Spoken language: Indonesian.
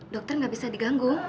dokter gak bisa diganggu